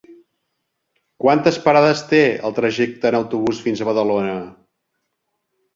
Quantes parades té el trajecte en autobús fins a Badalona?